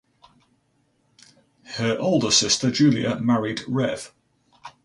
Her older sister Julia married Rev.